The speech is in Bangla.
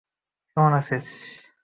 কেমন আছিস?